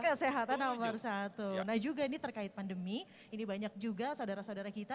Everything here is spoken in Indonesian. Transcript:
kesehatan nomor satu nah juga ini terkait pandemi ini banyak juga saudara saudara kita